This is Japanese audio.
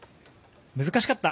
難しかった。